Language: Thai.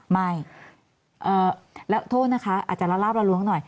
ไม่แล้วโทษนะคะอาจจะละลาบละล้วงหน่อย